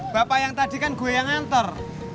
bapak yang tadi kan gue yang nganter